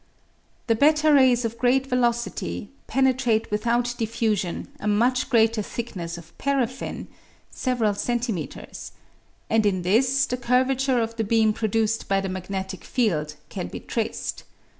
The /? rays of great velocity penetrate without diffusion a much greater thickness of paraftin (several centi metres), and in this the curvature of the beam produced by the magnetic field can be traced.